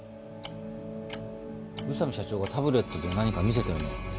宇佐美社長がタブレットで何か見せてるね。